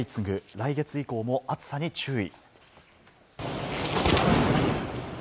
来月以降も暑さに注意。